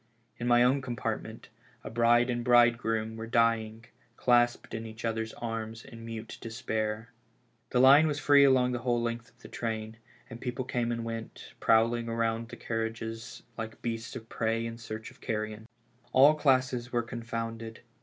In my own com partment a bride and bridegroom were dying, clasped in each other's arms in mute despair. The line was free along the w^hole length of the train, and people came and went, prowling round the carriages like beasts of prey in search of carrion. All classes were confounded.